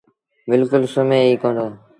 بلڪُل سمهي ئيٚ ڪوندو۔